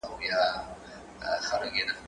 کېدای سي خبري اوږدې وي